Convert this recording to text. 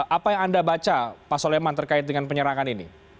apa yang anda baca pak soleman terkait dengan penyerangan ini